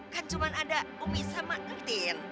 kan cuma ada umi sama utin